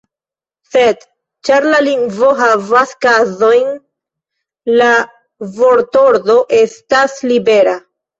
Sed, ĉar la lingvo havas kazojn, la vortordo estas libera.